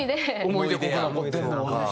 思い出濃く残ってるのは。